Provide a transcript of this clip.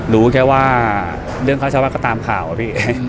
รู้แค่ว่าเรื่องค่าเช่าบ้านก็ตามข่าวอะพี่